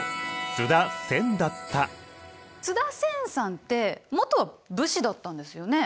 津田仙さんって元武士だったんですよね？